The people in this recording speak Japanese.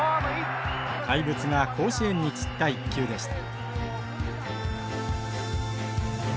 怪物が甲子園に散った一球でした。